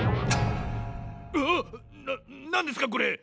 うわっ！ななんですかこれ？